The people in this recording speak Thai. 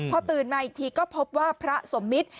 พอตื่นมาอีกทีก็พบว่าพระสมมิตร